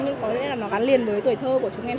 nhưng có lẽ là nó gắn liền với tuổi thơ của chúng em